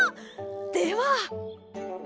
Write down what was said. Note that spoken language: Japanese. では。